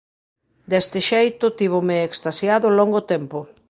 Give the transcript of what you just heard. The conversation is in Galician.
Deste xeito tívome extasiado longo tempo.